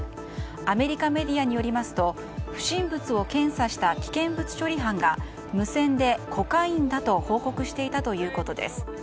アメリカメディアによりますと不審物を検査した危険物処理班が無線で、コカインだと報告していたということです。